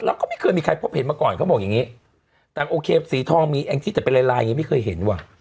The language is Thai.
แล้วก็ไม่เคยมีใครพบเห็นมาก่อนเขาบอกอย่างงี้แต่โอเคสีทองมีแองจี้แต่เป็นลายลายยังไม่เคยเห็นว่ะ